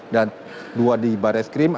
dan dua di baraiskrim